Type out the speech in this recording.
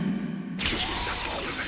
貴島を助けてください。